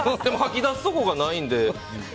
でも吐き出すところがないので。